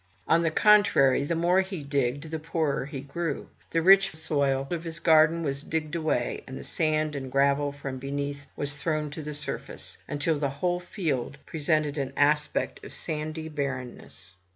On the contrary, the more he digged, the poorer he grew. The rich soil of his garden was digged away, and the sand and gravel from beneath was thrown to the surface, until the whole field presented an aspect of sandy barrenness.